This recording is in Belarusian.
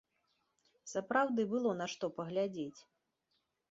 Сапраўды было на што паглядзець.